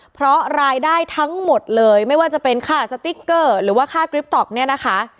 เพราะรายได้ทั้งหมดเลยไม่ว่าจะเป็นค่าสติ๊กเกอร์หรือว่าค่ากริปต๊อกเนี่ยนะคะ